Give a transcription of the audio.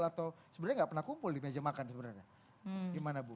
atau sebenarnya nggak pernah kumpul di meja makan sebenarnya gimana bu